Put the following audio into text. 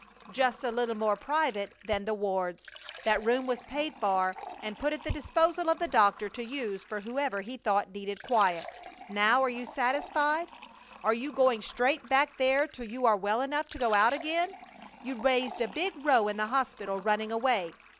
"Just a little more private than the wards. That room was paid for and put at the disposal of the doctor to use for whoever he thought needed quiet. Now are you satisfied? And you are going straight back there till you are well enough to go out again! You raised a big row in the hospital, running away.